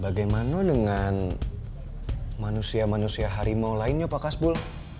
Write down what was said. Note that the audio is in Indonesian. bagaimana dengan manusia manusia harimau lainnya pak kasbul